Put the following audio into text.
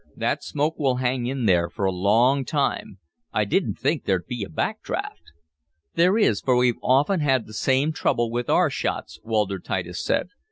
That smoke will hang in there a long time. I didn't think there'd be a back draft." "There is, for we've often had the same trouble with our shots," Walter Titus said.